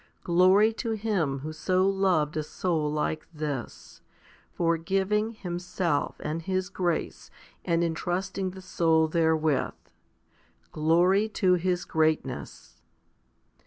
Glory to Him Who so loved a soul like this, for giving Himself and His grace and entrusting the soul therewith ! Glory to His greatness